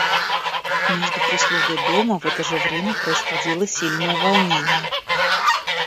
Между прислугой дома в это же время происходило сильное волнение.